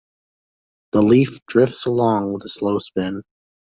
The leaf drifts along with a slow spin.